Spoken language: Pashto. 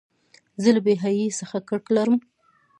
زه له بېحیایۍ څخه کرکه لرم.